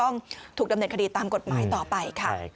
นี่นี่นี่